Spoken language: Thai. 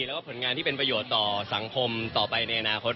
แล้วก็ผลงานที่เป็นประโยชน์ต่อสังคมต่อไปในอนาคต